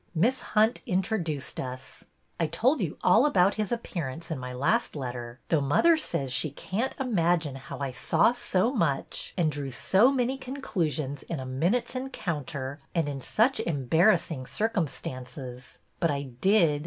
Miss Hunt introduced us. I told you all about his appearance in my last let ter, though mother says she can't imagine how I saw so much and drew so many conclusions in a minute's encounter and in such embarrassing cir cumstances. But I did.